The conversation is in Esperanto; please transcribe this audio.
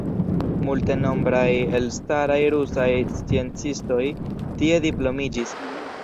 Multenombraj elstaraj rusaj sciencistoj tie diplomiĝis.